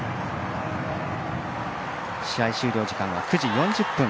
試合終了時間は９時４０分。